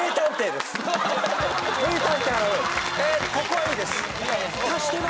ここはいいです。